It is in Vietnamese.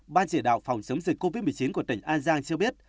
ban chỉ đạo phòng chống dịch covid một mươi chín của tỉnh an giang cho biết